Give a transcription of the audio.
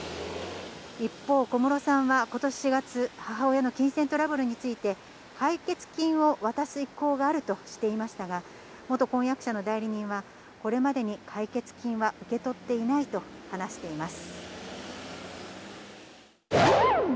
一方、小室さんはことし４月、母親の金銭トラブルについて、解決金を渡す意向があるとしていましたが、元婚約者の代理人は、これまでに解決金は受け取っていないと話しています。